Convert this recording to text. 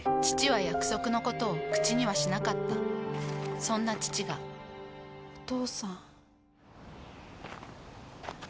父は約束のことを口にはしなかったそんな父がお父さん。